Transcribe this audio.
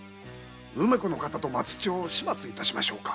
梅子の方と松千代を始末致しましょうか？